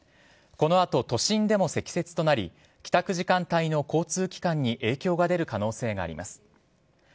この後、都心でも積雪となり帰宅時間帯の交通機関に影響が出る可能性があります。